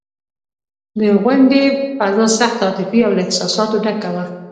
د غونډې فضا سخته عاطفي او له احساساتو ډکه وه.